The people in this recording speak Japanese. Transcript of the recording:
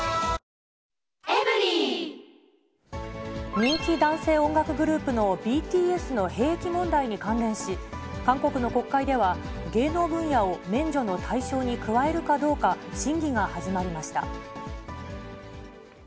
人気男性音楽グループのＢＴＳの兵役問題に関連し、韓国の国会では、芸能分野を免除の対象に加えるかどうか、審議が始まりました。